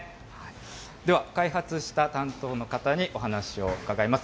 では、開発した担当の方にお話を伺います。